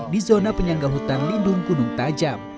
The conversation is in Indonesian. di zona penyangga hutan lindung gunung tajam